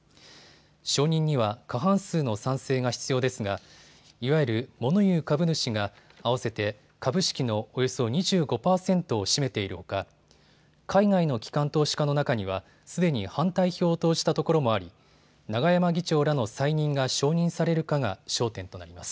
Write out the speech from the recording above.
承認には過半数の賛成が必要ですがいわゆるモノ言う株主が合わせて株式のおよそ２５％を占めているほか海外の機関投資家の中にはすでに反対票を投じたところもあり永山議長らの再任が承認されるかが焦点となります。